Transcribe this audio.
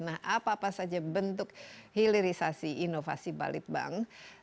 nah apa apa saja bentuk hilirisasi inovasi balit bang